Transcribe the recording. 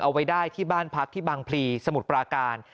เอาไว้ได้ที่บ้านพักที่บางพลีสมุทรปราการ